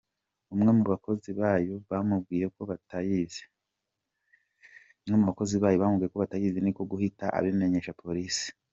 Umwe mu bakozi bayo yamubwiye ko batayizi; ni ko guhita abimenyesha Polisi.